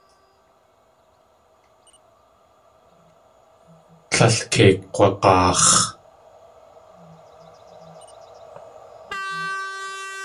Tlél kei kg̲wag̲aax̲.